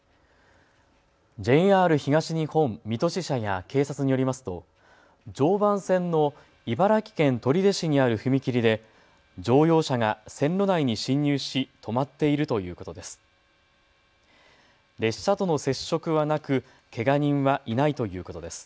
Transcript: ＪＲ東日本水戸支社や警察によりますと常磐線の茨城県取手市にある踏切で乗用車が線路内に進入し止まっているということです。